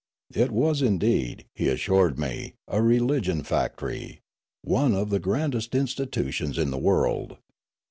It was, indeed, he assured me, a re ligion factor}', one of the grandest institutions in the world.